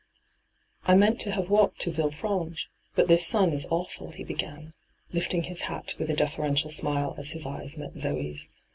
' I meant to have walked to Villefiranche, but this sun is awful,' he began, lifting his hat with a deferential smile as his eyes met Zoe's.